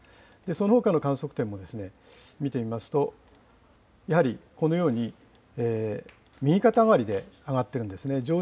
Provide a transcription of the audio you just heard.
そのほかの観測点も見てみますと、やはりこのように右肩上がりで上がってるんですね。